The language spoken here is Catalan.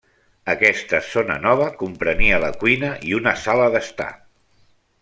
Aquesta zona nova, comprenia la cuina i una sala d'estar.